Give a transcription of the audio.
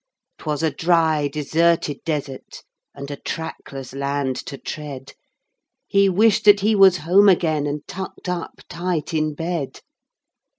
'Twas a dry, deserted desert, and a trackless land to tread, He wished that he was home again and tucked up tight in bed.